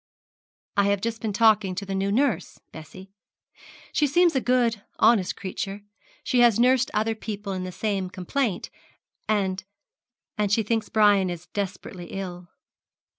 'I have just been talking to the new nurse, Bessie. She seems a good, honest creature. She has nursed other people in the same complaint, and and she thinks Brian is desperately ill.'